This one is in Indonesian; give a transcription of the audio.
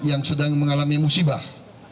yang sedang mengalami musibah